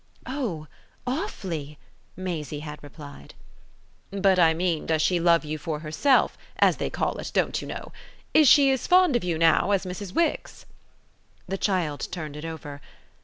"Oh awfully!" Maisie had replied. "But, I mean, does she love you for yourself, as they call it, don't you know? Is she as fond of you, now, as Mrs. Wix?" The child turned it over.